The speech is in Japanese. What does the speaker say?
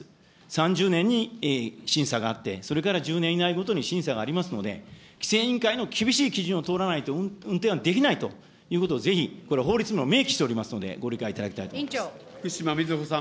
３０年に審査があって、それから１０年以内ごとに審査がありますので、規制委員会の厳しい基準を通らないと運転はできないということをぜひこれ、法律にも明記しておりますので、ご理解いただきたいと福島みずほさん。